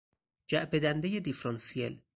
جعبه دندهی دیفرانسیل